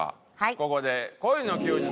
ここで。